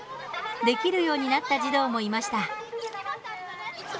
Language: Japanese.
できるようになった児童もいました。